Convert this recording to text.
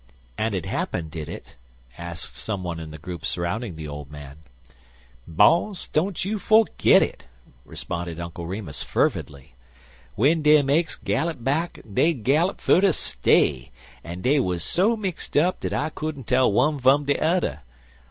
"And it happened, did it?" asked some one in the group surrounding the old man. "Boss, don't you fergit it," responded Uncle Remus, fervidly. "W'en dem aches gallop back dey galloped fer ter stay, an' dey wuz so mixed up dat I couldn't tell one fum de udder.